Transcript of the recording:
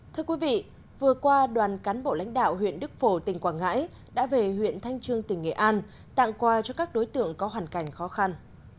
thưa quý vị vừa qua đoàn cán bộ lãnh đạo huyện đức phổ tỉnh quảng ngãi đã về huyện thanh trương tỉnh nghệ an tặng quà cho các đối tượng có hoàn cảnh khó khăn